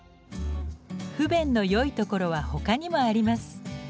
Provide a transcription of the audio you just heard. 不便のよいところはほかにもあります。